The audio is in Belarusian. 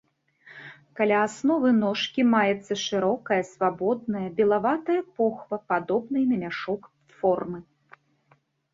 Каля асновы ножкі маецца шырокая, свабодная, белаватая похва падобнай на мяшок формы.